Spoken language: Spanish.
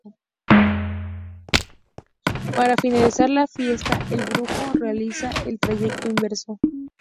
Para finalizar las fiestas el Brujo realiza el trayecto inverso.